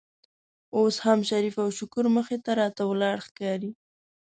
اوس هم شریف او شکور مخې ته راته ولاړ ښکاري.